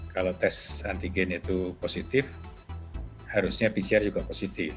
kalau tes antigen itu positif harusnya pcr juga positif